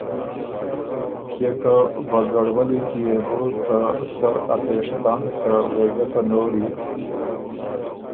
کيې که بګړولّي کی يې بو ته سر ا تېشتن ته وېګۀ ته نوړی